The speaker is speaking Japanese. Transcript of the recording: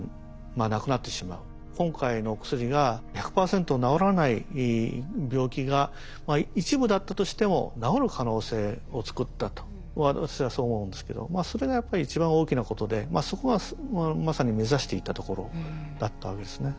今回のお薬が１００％治らない病気が一部だったとしても治る可能性を作ったと私はそう思うんですけどそれがやっぱり一番大きなことでそこがまさに目指していたところだったわけですね。